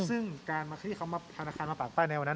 ซึ่งการที่เขามาธนาคารมาปากใต้ในวันนั้น